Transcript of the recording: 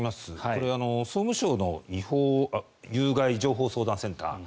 これは、総務省の違法・有害情報相談センター